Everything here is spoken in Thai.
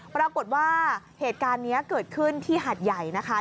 ปรากฏว่าเหตุการณ์นี้เกิดขึ้นที่หาดใหญ่นะคะ